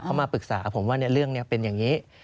เขามาปรึกษาผมว่าเรื่องนี้เป็นอย่างนี้